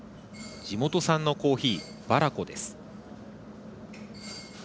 地元産のコーヒー、バラコです。